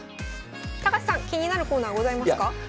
高橋さん気になるコーナーございますか？